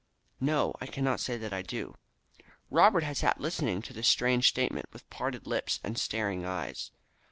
"No, I cannot say that I do." Robert had sat listening to this strange statement with parted lips and staring eyes.